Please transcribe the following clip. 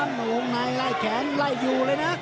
มาวงในไล่แขนไล่อยู่เลยนะ